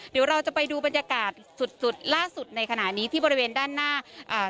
เดี๋ยวเราจะไปดูบรรยากาศสุดสุดล่าสุดในขณะนี้ที่บริเวณด้านหน้าอ่า